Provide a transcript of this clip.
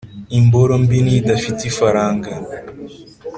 Imboro mbi ni idafite ifaranga.